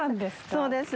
そうです。